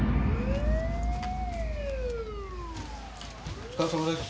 お疲れさまです。